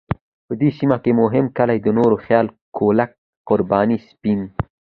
په دې سیمه کې مهم کلی د نوره خیل، کولک، قرباني، سپین .